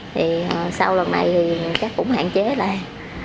thì sau lần này thì chắc cũng hạn chế là